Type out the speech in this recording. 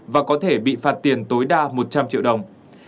và có thể bị phạt tiền tối đa một trăm linh triệu đồng